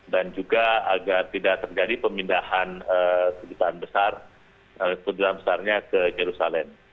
dan juga agar tidak terjadi pemindahan kejuruteraan besarnya ke yerusalem